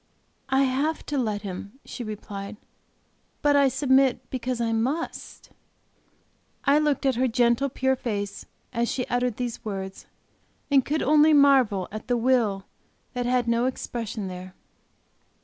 "I have to let Him," she replied; "but I submit because I must." I looked at her gentle, pure face as she uttered these words, and could only marvel at the will that had no expression there.